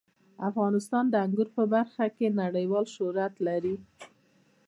افغانستان د انګور په برخه کې نړیوال شهرت لري.